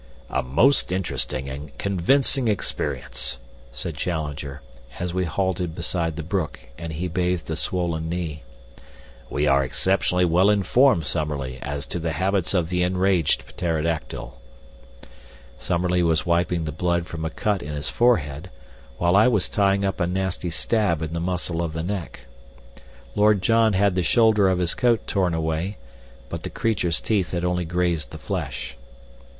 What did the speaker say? "A most interesting and convincing experience," said Challenger, as we halted beside the brook and he bathed a swollen knee. "We are exceptionally well informed, Summerlee, as to the habits of the enraged pterodactyl." Summerlee was wiping the blood from a cut in his forehead, while I was tying up a nasty stab in the muscle of the neck. Lord John had the shoulder of his coat torn away, but the creature's teeth had only grazed the flesh.